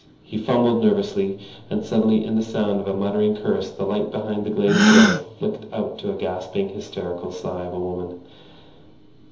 He fumbled nervously—and suddenly in the sound of a muttered curse the light behind the glazed door flicked out to a gasping, hysterical sigh of a woman.